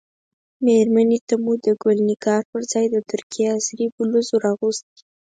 مېرمنې ته مو د ګل نګار پر ځای د ترکیې عصري بلوز ور اغوستی.